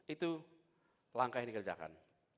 itu langkah yang dikerjakan